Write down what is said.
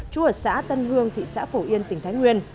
chú ở xã tân hương thị xã phổ yên tỉnh thái nguyên